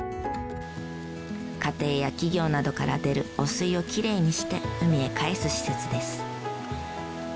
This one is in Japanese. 家庭や企業などから出る汚水をきれいにして海へ返す施設です。